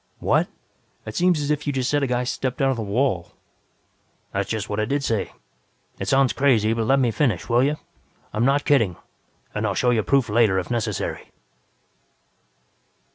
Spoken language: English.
"What? It seems as if you just said a guy stepped out of the wall." "That's just what I did say. It sounds crazy, but let me finish, will you? I'm not kidding, and I'll show you proof later if necessary.